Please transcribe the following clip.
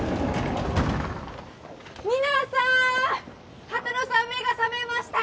皆さーん畑野さん目が覚めました